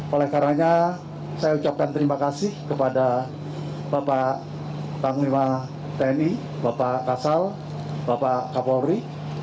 oleh karanya saya ucapkan terima kasih kepada bapak panglima tni bapak kasal bapak kapolri